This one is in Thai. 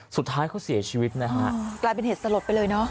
สุดท้ายเขาเสียชีวิตนะฮะกลายเป็นเหตุสลดไปเลยเนอะ